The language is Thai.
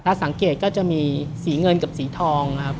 ถ้าสังเกตก็จะมีสีเงินกับสีทองนะครับ